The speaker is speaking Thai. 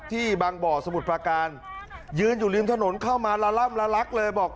ที่บางบ่อสมุทรประการยืนอยู่ริมถนนเข้ามาละล่ำละลักเลยบอก